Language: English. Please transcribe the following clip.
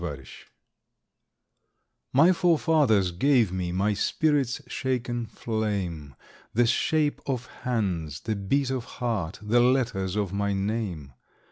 Driftwood My forefathers gave me My spirit's shaken flame, The shape of hands, the beat of heart, The letters of my name.